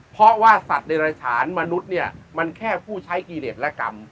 เพราะว่าสัตว์เดรฐานมนุษย์เนี่ยมันแค่ผู้ใช้กิเดชและกรรม